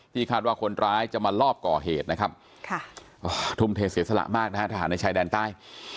คาดว่าคนร้ายจะมาลอบก่อเหตุนะครับทุ่มเทเสียสละมากนะฮะทหารในชายแดนใต้